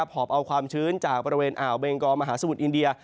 หอบเอาความชื้นจากบริเวณอ่าวเบงกอมหาสมุทรอินเดีย